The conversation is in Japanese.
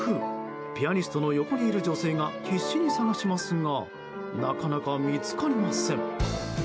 ピアニストの横にいる女性が必死に探しますがなかなか見つかりません。